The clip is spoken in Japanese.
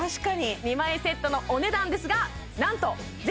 ２枚セットのお値段ですがなんと安！